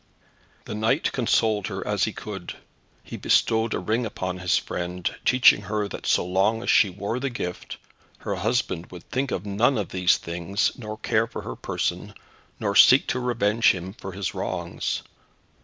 The knight consoled her as he could. He bestowed a ring upon his friend, teaching her that so long as she wore the gift, her husband would think of none of these things, nor care for her person, nor seek to revenge him for his wrongs.